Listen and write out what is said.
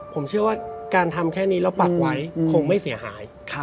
ผมเชื่อว่าการทำแค่นี้แล้วปักไว้คงไม่เสียหาย